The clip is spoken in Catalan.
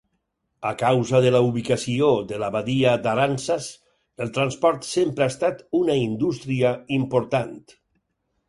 A causa de la ubicació de la badia d'Aransas, el transport sempre ha estat una indústria important.